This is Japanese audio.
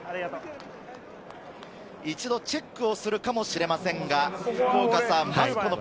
一度、チェックをするかもしれません。